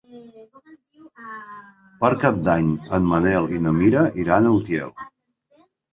Per Cap d'Any en Manel i na Mira iran a Utiel.